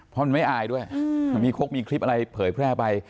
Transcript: เพราะมันไม่อายด้วยมันมีคกมีคลิปอะไรเผยแพร่ไป